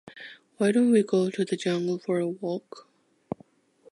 Why don’t we go to the jungle for a walk?